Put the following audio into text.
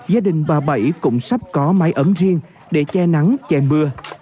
gia đình bà bảy cũng sắp có máy ấm riêng để che nắng che mưa